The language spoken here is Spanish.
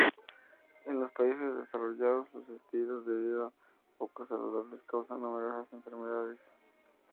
En los países desarrollados, los estilos de vida poco saludables causan numerosas enfermedades.